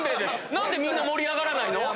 何でみんな盛り上がらないの？